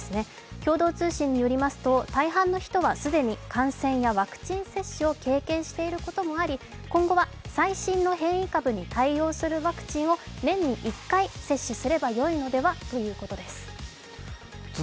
共同通信によりますと大半の人は既に感染やワクチン接種を経験していることもあり、今後は最新の変異株に対応するワクチンを年に１回、接種すればよいのではということです。